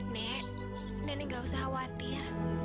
nek nenek gak usah khawatir